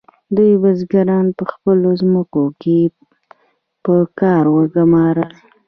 دوی بزګران په خپلو ځمکو کې په کار وګمارل.